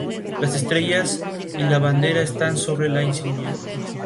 La violenta sublevación tomó a Roma por sorpresa.